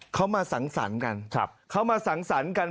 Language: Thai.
เขามาสังสรรค์กันเขามาสังสรรค์กัน